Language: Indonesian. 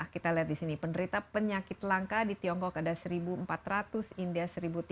kita lihat di sini penderita penyakit langka di tiongkok ada satu empat ratus india satu tiga ratus